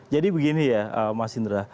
jadi begini ya mas indra